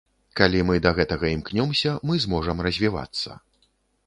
Калі мы да гэтага імкнёмся, мы зможам развівацца.